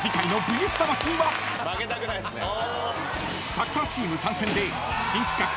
［サッカーチーム参戦で］